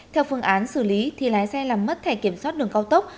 theo phương án xử lý thì lái xe làm mất thẻ kiểm soát đường cao tốc